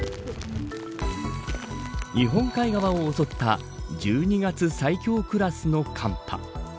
日本海側を襲った１２月最強クラスの寒波。